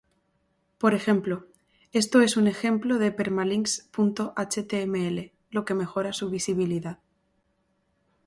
Por ejemplo, "esto-es-un-ejemplo-de-permalinks.html", lo que mejora su visibilidad.